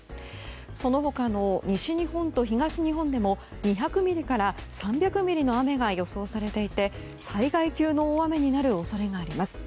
その他の西日本と東日本でも２００ミリから３００ミリの雨が予想されていて災害級の大雨になる恐れがあります。